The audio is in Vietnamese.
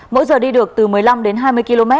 mỗi giờ đi được từ một mươi năm đến hai mươi km